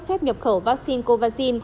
phép nhập khẩu vaccine covaxin